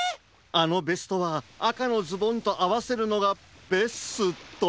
あのベストはあかのズボンとあわせるのがベスト。